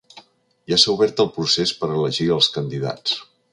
Ja s’ha obert el procés per a elegir els candidats.